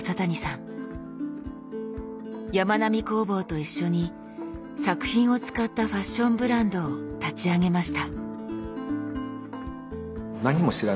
やまなみ工房と一緒に作品を使ったファッションブランドを立ち上げました。